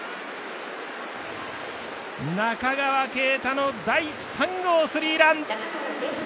中川圭太の第３号スリーラン！